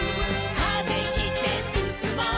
「風切ってすすもう」